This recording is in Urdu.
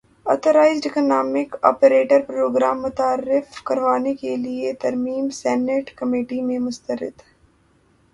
اتھرائزڈ اکنامک اپریٹر پروگرام متعارف کروانے کیلئے ترمیم سینیٹ کمیٹی میں مسترد